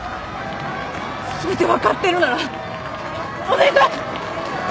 全て分かってるならお願い。